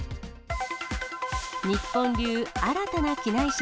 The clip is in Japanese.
日本流、新たな機内食。